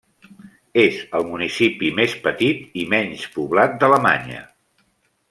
És el municipi més petit i menys poblat d'Alemanya.